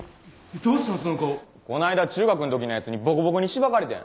こないだ中学の時のやつにぼこぼこにしばかれてん。